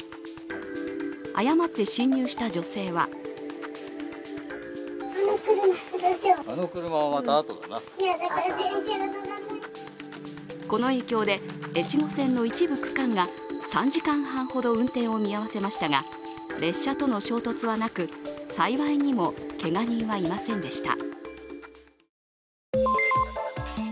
誤って進入した女性はこの影響で、越後線の一部区間が３時間半ほど運転を見合わせましたが列車との衝突はなく、幸いにもけが人はいませんでした。